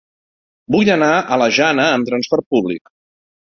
Vull anar a la Jana amb transport públic.